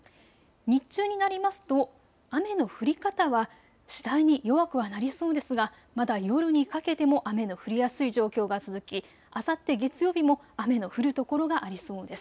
日中になりますと雨の降り方は次第に弱くはなりそうですがまだ夜にかけても雨の降りやすい状況が続き、あさって月曜日も雨の降る所がありそうです。